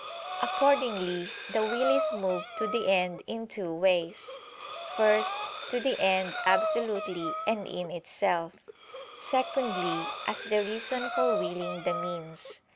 Accordingly the will is moved to the end in two ways: first, to the end absolutely and in itself; secondly, as the reason for willing the means.